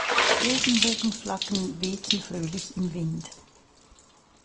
Regenbogenflaggen wehten fröhlich im Wind.